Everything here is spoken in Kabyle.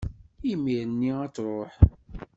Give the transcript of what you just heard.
imir-nni ad-tṛuḥ.